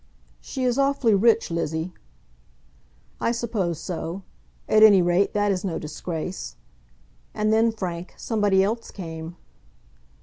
"She is awfully rich, Lizzie." "I suppose so. At any rate, that is no disgrace. And then, Frank, somebody else came."